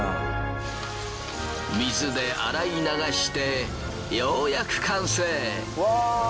水で洗い流してようやく完成。